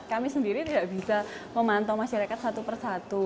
kami sendiri tidak bisa memantau masyarakat satu persatu